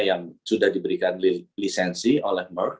yang sudah diberikan lisensi oleh merk